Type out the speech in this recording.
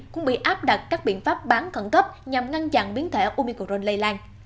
cũng bị áp đặt các biện pháp bán khẩn cấp nhằm ngăn chặn biến thể umicron lây lan